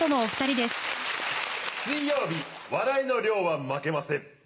水曜日笑いの量は負けません。